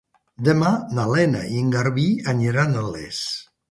Demà na Lena i en Garbí aniran a Les.